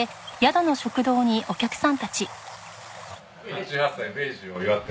８８歳米寿を祝って。